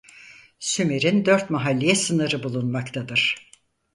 Sümer'in dört mahalleye sınırı bulunmaktadır.